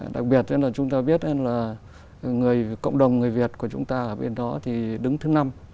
đặc biệt là chúng ta biết là cộng đồng người việt của chúng ta ở bên đó thì đứng thứ năm